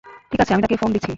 ঠিক আছে, আমি তাকে ফোন দিচ্ছি।